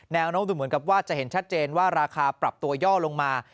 แนวโน้มดูเหมือนกับว่าจะเห็นชัดเจนว่าราคาปรับตัวย่อลงมา